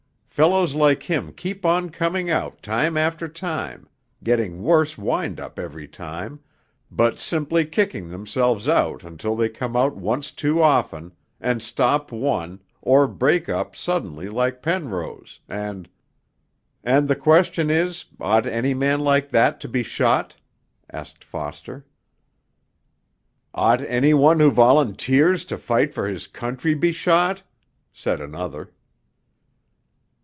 Fellows like him keep on coming out time after time, getting worse wind up every time, but simply kicking themselves out until they come out once too often, and stop one, or break up suddenly like Penrose, and ' 'And the question is ought any man like that to be shot?' asked Foster. 'Ought any one who volunteers to fight for his country be shot?' said another.